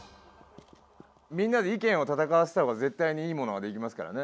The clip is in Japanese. みんなでい見をたたかわせたほうがぜったいにいいものができますからね。